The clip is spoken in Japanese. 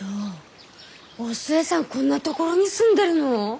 お寿恵さんこんな所に住んでるの！？